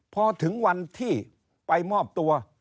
พอถึงวันที่ไปมอบตัว